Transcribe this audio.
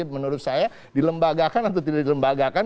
menurut saya dilembagakan atau tidak dilembagakan